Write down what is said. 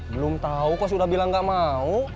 belum tahu kok sudah bilang gak mau